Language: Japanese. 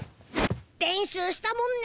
練習したもんね